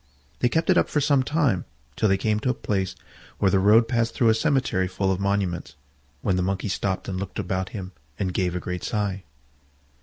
They kept it up for some time, till they came to a place where the road passed through a cemetery full of monuments, when the Monkey stopped and looked about him and gave a great sigh.